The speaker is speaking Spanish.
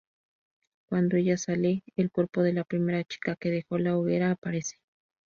Cuando ella sale, el cuerpo de la primera chica que dejó la hoguera aparece.